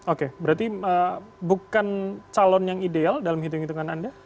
oke berarti bukan calon yang ideal dalam hitung hitungan anda